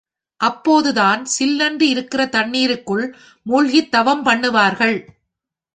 அப்போதுதான் சில்லென்று இருக்கிற தண்ணிருக்குள் மூழ்கித் தவம் பண்ணுவார்கள்.